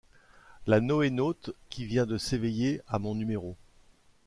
La NoéNaute qui vient de s'éveiller a mon numéro.